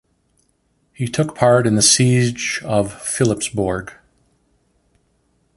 He took part in the siege of Philippsbourg.